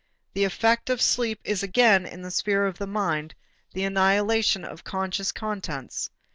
The effect of sleep is again in the sphere of the mind, the annihilation of conscious contents.